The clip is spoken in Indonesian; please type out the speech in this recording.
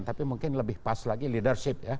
tapi mungkin lebih pas lagi leadership ya